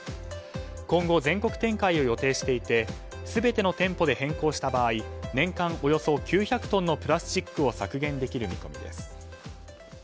今後、全国展開を予定していて全ての店舗で変更した場合年間およそ９００トンのプラスチックを削減できる見込みです。